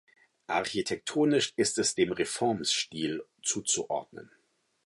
Architektonisch ist es dem Reformstil zuzuordnen.